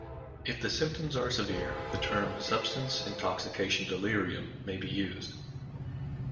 If the symptoms are severe, the term "substance intoxication delirium" may be used.